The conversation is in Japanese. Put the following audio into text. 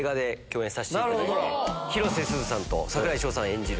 広瀬すずさんと櫻井翔さん演じる